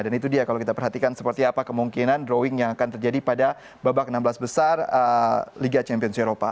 dan itu dia kalau kita perhatikan seperti apa kemungkinan drawing yang akan terjadi pada babak enam belas besar liga champions eropa